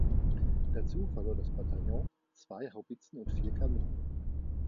Dazu verlor das Bataillon zwei Haubitzen und vier Kanonen.